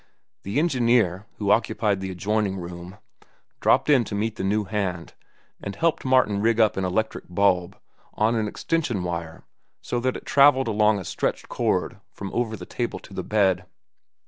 The engineer, who occupied the adjoining room, dropped in to meet the new hand and helped Martin rig up an electric bulb, on an extension wire, so that it travelled along a stretched cord from over the table to the bed.